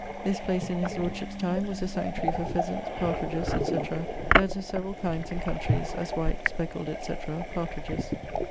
This place in his lordship's time was a sanctuary for phesants, partridges, etc. birds of severall kinds and countries, as white, speckled etc., partridges.